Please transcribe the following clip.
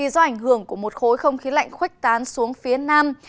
do ảnh hưởng của một khối không khí lạnh khoách tán xuống phía nam